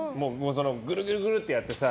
ぐるぐるぐるってやってさ。